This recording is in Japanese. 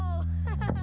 ハハハッ！